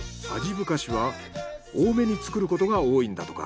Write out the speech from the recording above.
ぶかしは多めに作ることが多いんだとか。